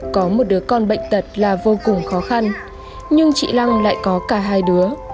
có một đứa con bệnh tật là vô cùng khó khăn nhưng chị lăng lại có cả hai đứa